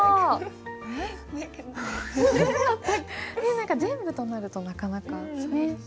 何か全部となるとなかなかね。